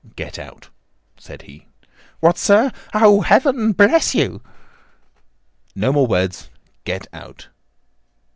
"Get out!" said he. "What, sir! Oh, Heaven bless you!" "No more words. Get out!"